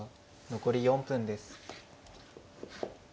残り４分です。